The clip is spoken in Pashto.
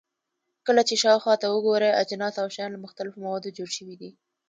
کله چې شاوخوا ته وګورئ، اجناس او شیان له مختلفو موادو جوړ شوي دي.